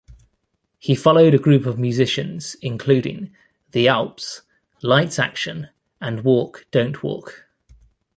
He followed a group of musicians including; The Alps, Lights Action, and Walk.Dontwalk.